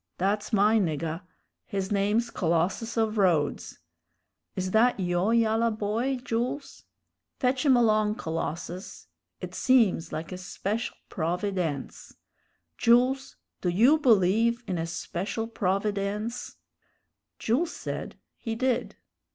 That's my niggah his name's Colossus of Rhodes. Is that yo' yallah boy, Jools? Fetch him along, Colossus. It seems like a special provi_dence_. Jools, do you believe in a special provi_dence_?" Jules said he did.